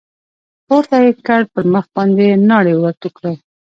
پورته يې كړ پر مخ باندې يې ناړې ورتو کړې.